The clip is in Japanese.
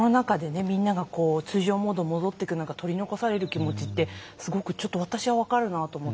みんながこう通常モードに戻っていく中取り残される気持ちってすごくちょっと私は分かるなと思って。